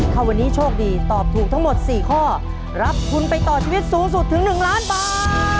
ถ้าวันนี้โชคดีตอบถูกทั้งหมด๔ข้อรับทุนไปต่อชีวิตสูงสุดถึง๑ล้านบาท